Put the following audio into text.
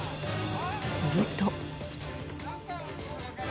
すると。